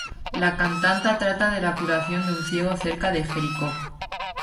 La cantata trata de la curación de un ciego cerca de Jericó.